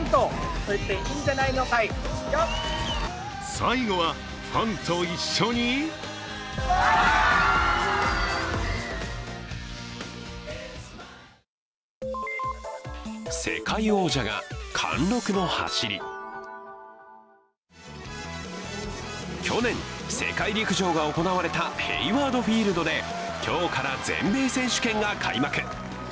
最後はファンと一緒に去年、世界陸上が行われたヘイワード・フィールドで、今日から全米選手権が開幕。